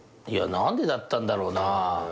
いや何でだったんだろうな。